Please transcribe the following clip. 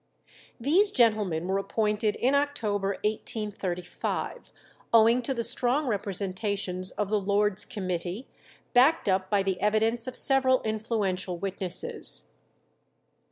These gentlemen were appointed in October 1835, owing to the strong representations of the Lords' Committee, backed up by the evidence of several influential witnesses.